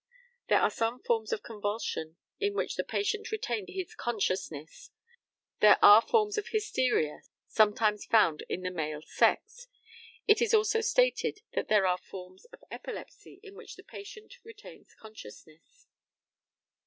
There are some forms of convulsion in which the patient retains his consciousness. Those are forms of hysteria, sometimes found in the male sex. It is also stated that there are forms of epilepsy in which the patient retains consciousness.